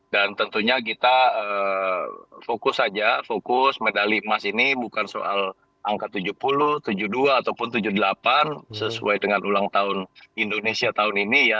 dan tentunya kita fokus aja fokus medali emas ini bukan soal angka tujuh puluh tujuh puluh dua ataupun tujuh puluh delapan sesuai dengan ulang tahun indonesia tahun ini ya